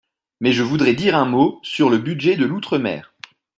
Mais je voudrais dire un mot sur le budget de l’outre-mer.